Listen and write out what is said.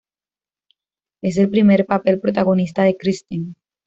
Es el primer papel protagonista de Kristen.